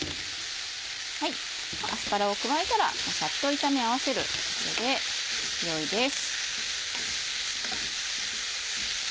アスパラを加えたらサッと炒め合わせるだけで良いです。